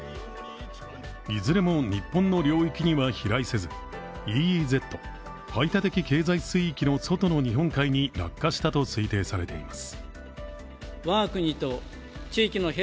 いずれも日本の領域には飛来せずＥＥＺ＝排他的経済水域の外の日本海に落下したと推定されています。